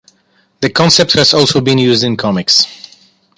The concept has also been used in comics.